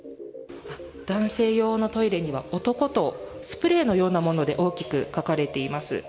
男性用のトイレには「男」とスプレーのようなもので大きく書かれています。